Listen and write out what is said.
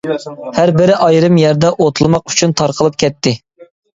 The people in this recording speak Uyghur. ھەر بىرى ئايرىم يەردە ئوتلىماق ئۈچۈن تارقىلىپ كەتتى.